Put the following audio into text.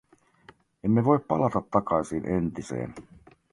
Emme voi palata takaisin entiseen.